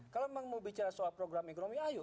kalau memang mau bicara soal program ekonomi ayo